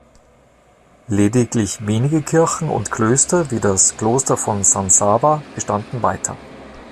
Lediglich wenige Kirchen und Klöster, wie das Kloster von San Saba bestanden weiter.